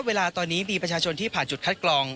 เวลาตอนนี้มีประชาชนที่ผ่านจุดคัดกรอง